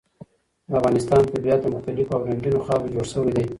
د افغانستان طبیعت له مختلفو او رنګینو خاورو جوړ شوی دی.